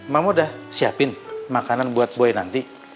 mama udah siapin makanan buat buaya nanti